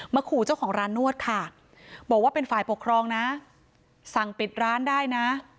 ขู่เจ้าของร้านนวดค่ะบอกว่าเป็นฝ่ายปกครองนะสั่งปิดร้านได้นะ